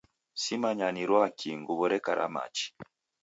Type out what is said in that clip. Simanyaa nirwa kii nguw'o reka ra machi